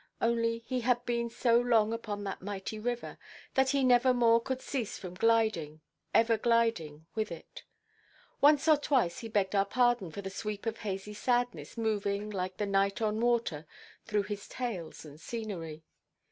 Only he had been so long upon that mighty river, that he nevermore could cease from gliding, ever gliding, with it. "Once or twice he begged our pardon for the sweep of hazy sadness moving (like the night on water) through his tales and scenery.